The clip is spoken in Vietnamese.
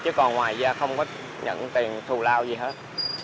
chứ còn ngoài ra không có nhận tiền thù lao gì hết